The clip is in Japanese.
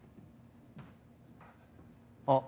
あっ。